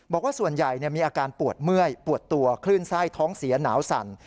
บอกว่าส่วนใหญ่มีอาการปวดเมื่อยปวดตัวคลื่นไส้ท้องเสียหนาวสั่น